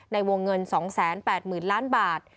ในวงเงิน๒๘๐๐๐ล้านบาท